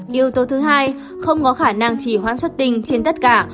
yếu tố thứ hai không có khả năng chỉ hoãn xuất tinh trên tất cả